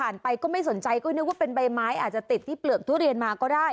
ไปก็ไม่สนใจก็นึกว่าเป็นใบไม้อาจจะติดที่เปลือกทุเรียนมาก็ได้